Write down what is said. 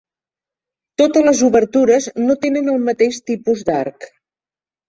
Totes les obertures no tenen el mateix tipus d'arc.